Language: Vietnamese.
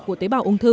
của tế bào ung thư